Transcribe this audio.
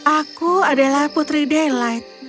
aku adalah putri daylight